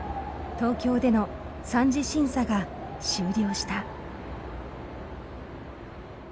東京での３次審査が終了した。